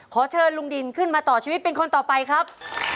ขอเชิญลุงดินขึ้นมาต่อชีวิตเป็นคนต่อไปครับ